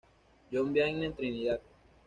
John Vianney en Trinidad.